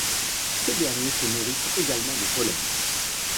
Ces derniers se nourrissent également de pollen.